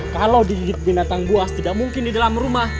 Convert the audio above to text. kalau digigit binatang buas tidak mungkin di dalam rumah